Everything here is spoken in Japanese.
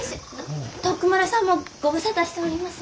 徳丸さんもご無沙汰しております。